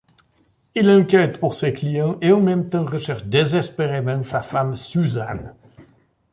Il enquête pour ses clients et en même temps recherche désespérément sa femme Susan.